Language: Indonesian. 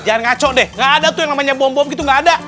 jangan ngaco deh gak ada tuh yang namanya bom bom gitu nggak ada